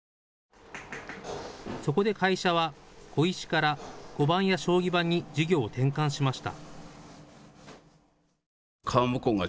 そこで会社は、碁石から碁盤や将棋盤に事業を転換しました。